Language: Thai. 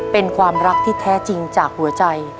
เป็นความรักที่แท้จริงจากหัวใจ